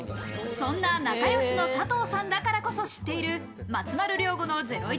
そんな仲良しの佐藤さんだからこそ知っている、松丸亮吾のゼロイチ